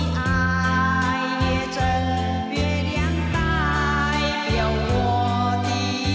แต่รักใจที่มหัวข้างที่ดี